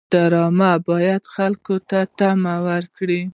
ډرامه باید خلکو ته تمه ورکړي